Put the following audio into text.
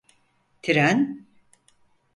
Tren…